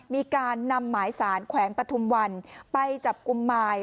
มีการนำหมายสารแขวงปฐุมวันไปจับกลุ่มมาย